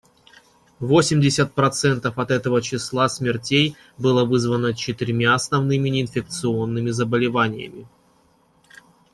Восемьдесят процентов от этого числа смертей было вызвано четырьмя основными неинфекционными заболеваниями.